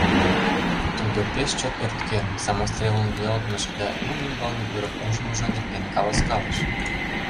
Тудо пеш чот ӧрткен, самострелын лӱялтмыже да лум ӱмбалне вӱрым ужмыжо нерген каласкалыш.